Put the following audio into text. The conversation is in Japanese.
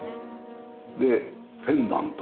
でペンダント。